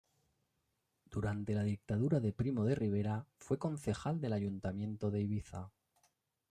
Durante la dictadura de Primo de Rivera fue concejal del ayuntamiento de Ibiza.